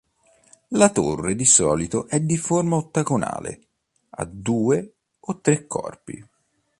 La torre di solito è di forma ottagonale, a due o tre corpi.